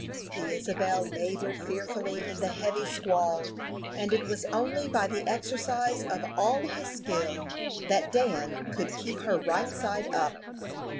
The Isabel labored fearfully in the heavy squall, and it was only by the exercise of all his skill that Dan could keep her right side up.